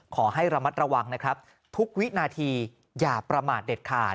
ขอให้ระมัดระวังนะครับทุกวินาทีอย่าประมาทเด็ดขาด